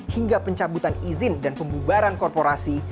hingga pencabutan izin dan pembubaran korporasi